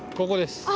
ここです。